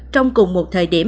trong cùng một thời điểm